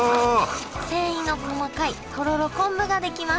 繊維の細かいとろろ昆布が出来ます